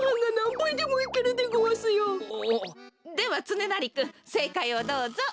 おおっではつねなりくんせいかいをどうぞ！